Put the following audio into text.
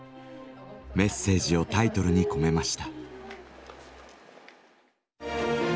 メッセージをタイトルに込めました。